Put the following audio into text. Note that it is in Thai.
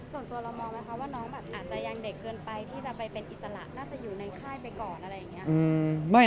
ส่วนตัวเรามองไหมคะว่าน้องแบบอาจจะยังเด็กเกินไปที่จะไปเป็นอิสระน่าจะอยู่ในค่ายไปก่อนอะไรอย่างนี้